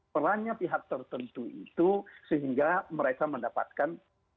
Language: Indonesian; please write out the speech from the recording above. perannya pihak tertentu itu sehingga mereka mendapatkan